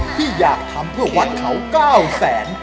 ที่อยากทำเพื่อวัดเขา๙แสน